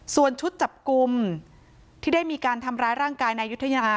ส่วนชุดจับกลุ่มที่ได้มีการทำร้ายร่างกายนายุธยา